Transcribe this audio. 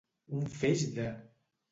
Un feix de.